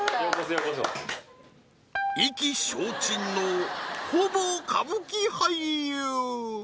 ようこそ意気消沈のほぼ歌舞伎俳優